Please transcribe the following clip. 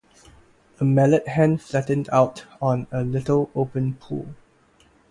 A mallard hen flattened out on a little open pool.